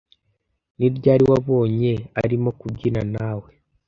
Ni ryari wabonye arimo kubyina nawe?